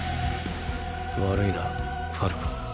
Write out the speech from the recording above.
悪いなファルコ。